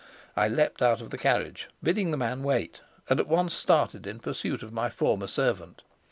I leapt out of the carriage, bidding the man wait, and at once started in pursuit of my former servant.